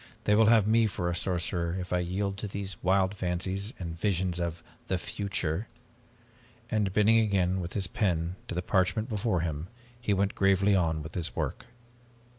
They will have me for a sorcerer if I yield to these wild fancies and visions of the future." And bending again with his pen to the parchment before him, he went gravely on with his work.